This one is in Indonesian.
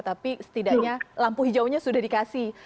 tapi setidaknya lampu hijaunya sudah dikasih